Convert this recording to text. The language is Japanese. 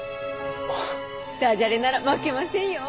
ダジャレなら負けませんよ！